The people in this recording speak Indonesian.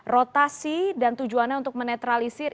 rotasi dan tujuannya untuk menetralisir